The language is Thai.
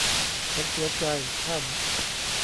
ฉันเสียใจ ท่าน